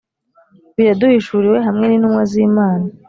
biraduhishuriwe. hamwe n'intumwa z'imana